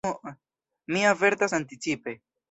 Mi avertas anticipe.